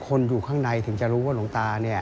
คุณผู้ชมฟังเสียงเจ้าอาวาสกันหน่อยค่ะ